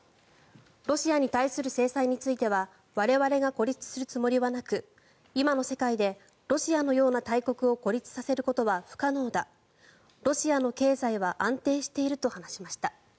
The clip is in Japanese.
ロシアに対する制裁については我々が孤立するつもりはなく今の世界でロシアのような大国を孤立させることは不可能だロシアの経済は安定していると話しました。